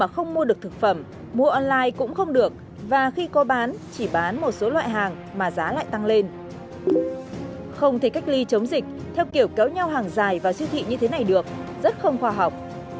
không thể cách ly chống dịch theo kiểu kéo nhau hàng dài vào siêu thị như thế này được rất không khoa học